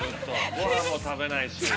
ごはんも食べないし。